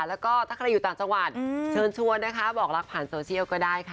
แล้วก็ถ้าใครอยู่ต่างจังหวัดเชิญชวนนะคะบอกรักผ่านโซเชียลก็ได้ค่ะ